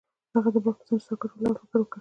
هغه د باغ پر څنډه ساکت ولاړ او فکر وکړ.